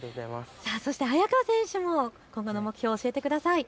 そして早川選手も今後の目標、教えてください。